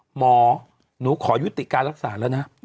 หมอหนูขอยุติการรักษาแล้วนะ